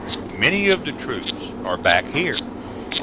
Many of the troops are back here.